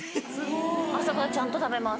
朝からちゃんと食べます